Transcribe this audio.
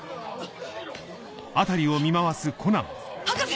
博士！